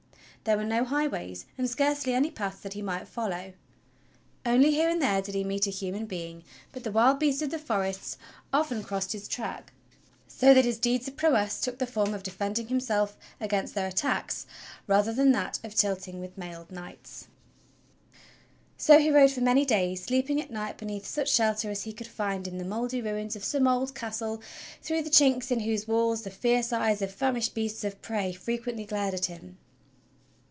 There were no highways, and scarcely any paths that he might follow. Only here and there did he meet a human being; but the wild beasts of the forest often crossed his 118 THE QUEST OF THE HOLY GRAIL 119 track, so that his deeds of prowess took the form of defending him self against their attacks rather than that of tilting with mailed knights. So he rode for many days, sleeping at night beneath such shelter as he could find in the mouldy ruins of some old castle through the chinks in whose walls the fierce eyes of famished beasts of prey fre quently glared at him.